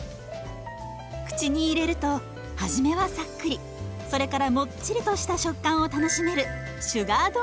口に入れると初めはさっくりそれからもっちりとした食感を楽しめるシュガードーナツです。